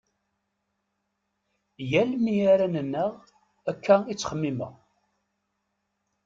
Yal mi ara nennaɣ akka i ttximimeɣ.